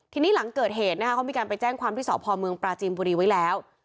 ทีนี้หลังเกิดเหตุนะคะเขามีการไปแจ้งความที่สพเมืองปราจีนบุรีไว้แล้ว